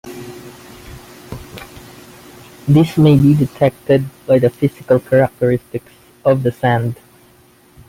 This may be detected by the physical characteristics of the sand.